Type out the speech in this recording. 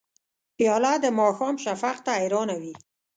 پیاله د ماښام شفق ته حیرانه وي.